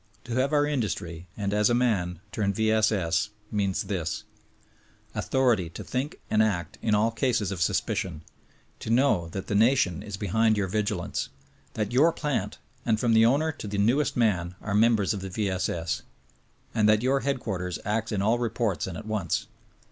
To have our industry, and as a man, turn V. S. S., means this : Author ity to think and act in all cases of suspicion ; to know that the nation is behind your vigilance; that your plant, and from the owner to the newest man are members of the V. S. S. And that your headquarters acts in all reports and zt once.